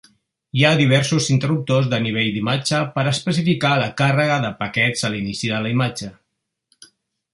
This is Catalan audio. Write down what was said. Hi ha diversos interruptors de nivell d'imatge per a especificar la càrrega de paquets a l'inici de la imatge.